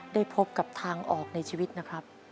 ได้พบกับทางออกในชีวิตนะครับ